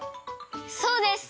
そうです！